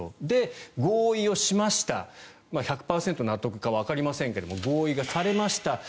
で、合意をしました１００％納得かわかりませんが合意がされました。